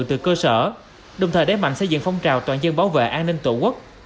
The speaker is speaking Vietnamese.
từ cơ sở đồng thời đế mạnh xây dựng phong trào toàn dân bảo vệ an ninh tổ quốc